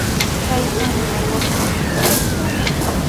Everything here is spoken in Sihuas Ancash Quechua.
¡Chaypami aywakushqa!